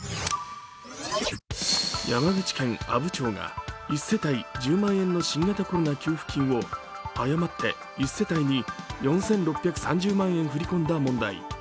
山口県阿武町が１世帯１０万円の新型コロナ給付金を誤って１世帯に４６３０万円振り込んだ問題。